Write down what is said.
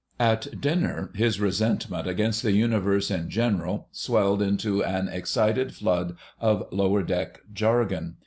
At dinner his resentment against the Universe in general swelled into an excited flood of lower deck jargon.